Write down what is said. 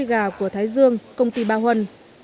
gà của thái dương công ty ba huân